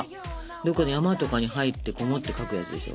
どっかの山とかに入ってこもって描くやつでしょ？